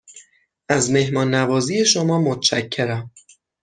از مهمان نوازی شما متشکرم.